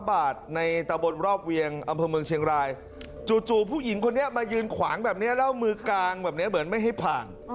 บาทในตะบนรอบเวียงอำเภอเมืองเชียงรายจู่ผู้หญิงคนนี้มายืนขวางแบบนี้แล้วมือกางแบบนี้เหมือนไม่ให้ผ่าน